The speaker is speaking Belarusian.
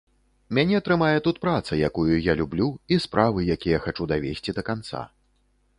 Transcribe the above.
Мяне трымае тут праца, якую я люблю, і справы, якія хачу давесці да канца.